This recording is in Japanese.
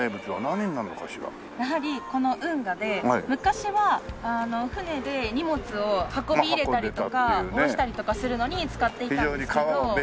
やはりこの運河で昔は船で荷物を運び入れたりとか下ろしたりとかするのに使っていたんですけど。